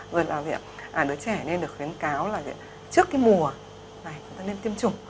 rồi là đứa trẻ nên được khuyến cáo là trước cái mùa này chúng ta nên tiêm chủng